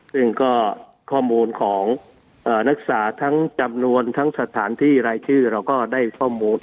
ซึ่งก็ข้อมูลของนักศึกษาทั้งจำนวนทั้งสถานที่รายชื่อเราก็ได้ข้อมูล